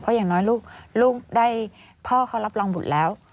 อย่างน้อยลูกได้พ่อเขารับรองบุตรแล้ว